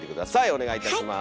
お願いいたします。